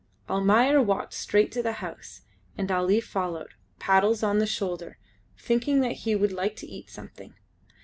Almayer walked straight to the house, and Ali followed, paddles on shoulder, thinking that he would like to eat something.